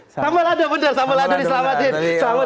sambal lado benar sambal lado diselamatkan